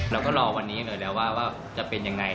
เราก็รอวันนี้อย่างหน่อยแล้วว่าจะเป็นอย่างไร